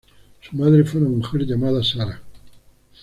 Su madre fue una mujer llamada Sarah.